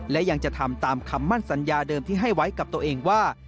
และยังจะทำตามคำมั่นสัญญาเดิมที่ให้ไว้กับตัวเองว่า